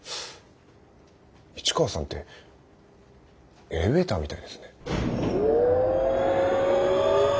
市川さんってエレベーターみたいですね。